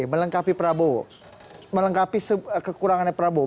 melengkapi prabowo melengkapi kekurangannya prabowo